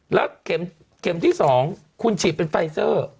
แล้วเข็มที่๒คุณฉีดเป็นไฟเซอร์